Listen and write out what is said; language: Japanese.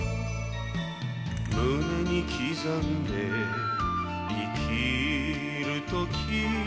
「胸に刻んで生きるとき」